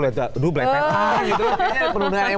belet beletan gitu kayaknya penuh